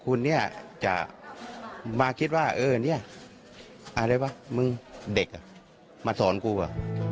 คุณเนี่ยจะมาคิดว่าเออเนี่ยอะไรวะมึงเด็กอ่ะมาสอนกูว่ะ